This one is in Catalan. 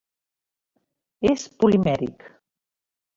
És polimèric.